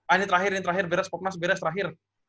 ini terakhir ini terakhir beres pop mas beres terakhir